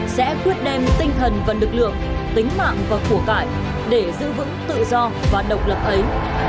sẽ quyết đem tinh thần và lực lượng tính mạng và của cải để giữ vững tự do và độc lập ấy